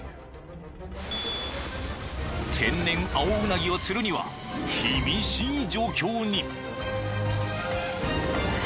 ［天然青うなぎを釣るには厳しい状況に］